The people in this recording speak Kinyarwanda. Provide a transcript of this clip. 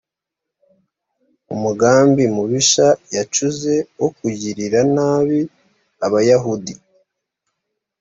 umugambi mubisha yacuze wo kugirira nabi abayahudi